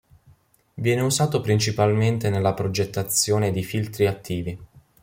Viene usato principalmente nella progettazione di filtri attivi.